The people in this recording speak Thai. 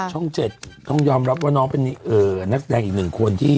ช่องเจ็ดต้องยับว่าน้องเป็นนักแสดงอีกคนที่